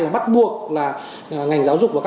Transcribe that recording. bắt buộc là ngành giáo dục